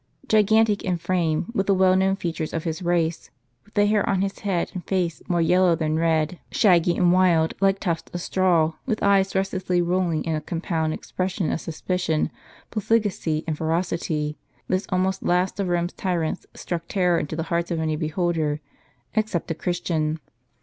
Gigantic in frame, with the well known features of his race, with the hair on his head and face more yellow than red, shaggy and wild, like tufts of straw, with eyes restlessly roll ing in a compound expression of suspicion, profligacy, and ferocity, this almost last of Kome's tyrants struck terror into the heart of any beholder, except a Christian.